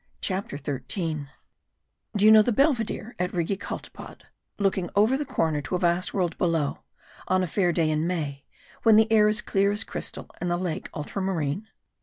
CHAPTER XIII Do you know the Belvedere at the Rigi Kaltbad, looking over the corner to a vast world below, on a fair day in May, when the air is clear as crystal and the lake ultra marine?